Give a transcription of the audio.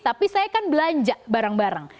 tapi saya kan belanja barang barang